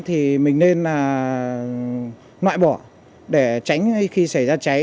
thì mình nên là noại bỏ để tránh khi xảy ra cháy